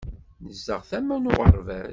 Nezdeɣ tama n uɣerbaz.